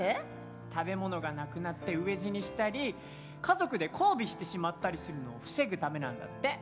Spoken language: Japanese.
食べ物がなくなって飢え死にしたり家族で交尾してしまったりするのを防ぐためなんだって。